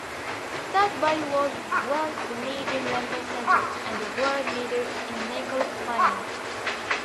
Sudbury was once a major lumber centre and a world leader in nickel mining.